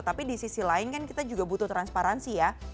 tapi di sisi lain kan kita juga butuh transparansi ya